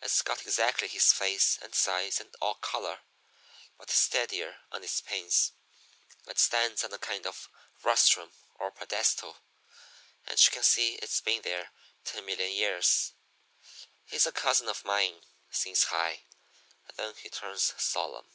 It's got exactly his face and size and color, but it's steadier on its pins. It stands on a kind of rostrum or pedestal, and you can see it's been there ten million years. "'He's a cousin of mine,' sings High, and then he turns solemn.